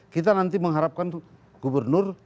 kita nanti mengharapkan gubernur